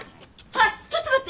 あっちょっと待って。